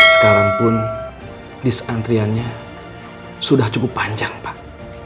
sekarang pun dis antriannya sudah cukup panjang pak